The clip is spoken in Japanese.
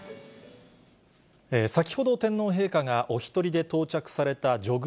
先ほど天皇陛下がお１人で到着されたジョグ